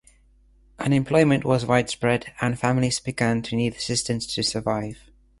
Unemployment was widespread and families began to need assistance to survive.